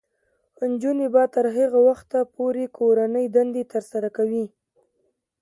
نجونې به تر هغه وخته پورې کورنۍ دندې ترسره کوي.